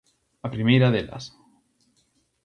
A primeira delas.